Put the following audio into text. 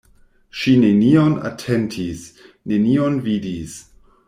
Ŝi nenion atentis, nenion vidis.